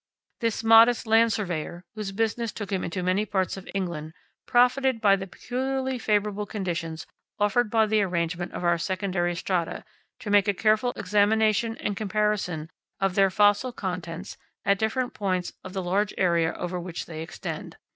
This modest land surveyor, whose business took him into many parts of England, profited by the peculiarly favourable conditions offered by the arrangement of our secondary strata to make a careful examination and comparison of their fossil contents at different points of the large area over which they extend.